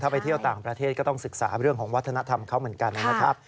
ไปเที่ยวต่างประเทศก็ต้องศึกษาเรื่องของวัฒนธรรมเขาเหมือนกันนะครับ